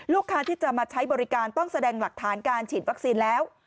ลูกค้าที่จะมาใช้บริการต้องแสดงหลักฐานการฉีดวัคซีนแล้ว